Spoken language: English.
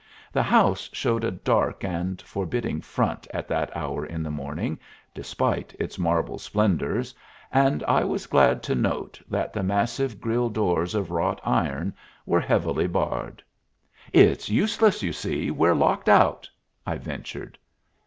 The house showed a dark and forbidding front at that hour in the morning despite its marble splendors, and I was glad to note that the massive grille doors of wrought iron were heavily barred. "It's useless, you see. We're locked out," I ventured.